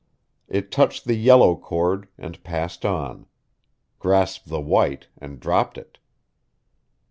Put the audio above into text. It touched the yellow cord and passed on; grasped the white and dropped it.